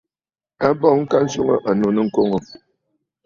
A bɔŋ ka swɔŋ ànnù nɨkoŋǝ̀.